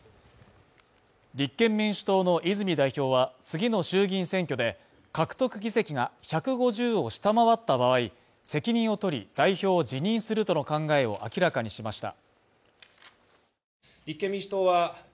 立憲民主党の泉代表は次の衆議院選挙で、獲得議席が１５０を下回った場合、責任を取り、代表を辞任するとの考えを明らかにしました。